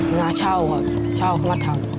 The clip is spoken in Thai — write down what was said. หน้าเช่าเช่าเขามาทำ